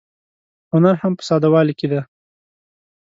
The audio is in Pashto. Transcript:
هنر هم په ساده والي کې دی.